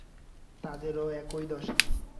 তাদেরও একই দশা।